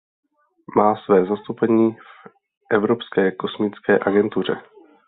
Má své zastoupení v Evropské kosmické agentuře.